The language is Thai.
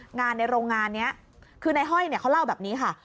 งานในโรงงานนี้คือในห้อยเขาเล่าแบบนี้ค่ะ